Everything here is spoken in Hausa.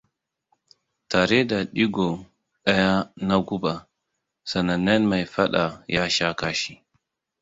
Tare da digo ɗaya na guba, sanannen mai faɗa ya sha kashi.